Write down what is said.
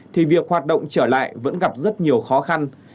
thì việc hoạt động trở lại vẫn gặp rất nhiều khó khăn